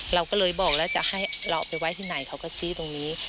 เราก็เลยบอกแล้วจะให้เราไปไว้ที่ไหนเขาก็ชี้ตรงนี้